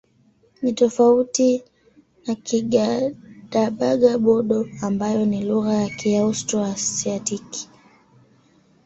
Ni tofauti na Kigadaba-Bodo ambayo ni lugha ya Kiaustro-Asiatiki.